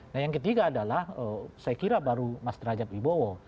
nah yang ketiga adalah saya kira baru mas derajat wibowo